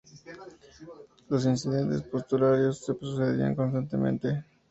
Los incidentes portuarios se sucedían constantemente.